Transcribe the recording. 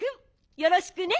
よろしくね。